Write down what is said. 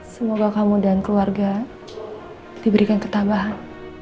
semoga kamu dan keluarga diberikan ketabahan